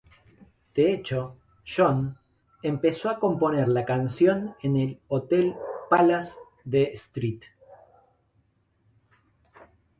De hecho, John empezó a componer la canción en el Hotel Palace de St.